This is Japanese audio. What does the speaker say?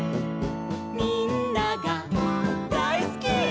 「みんながだいすき！」